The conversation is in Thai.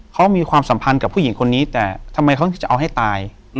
เขามีความสัมพันธ์กับผู้หญิงคนนี้แต่ทำไมเขาจะเอาให้ตาย